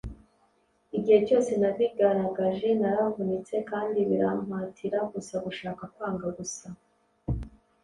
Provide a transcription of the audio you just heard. igihe cyose nabigaragaje naravunitse kandi birampatira gusa gushaka kwanga gusa